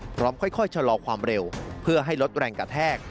พร้อมค่อยชะลอความเร็วเพื่อให้ลดแรงกระแทก